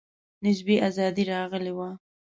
نسبي آزادي راغلې وه.